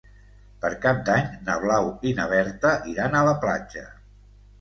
Per Cap d'Any na Blau i na Berta iran a la platja.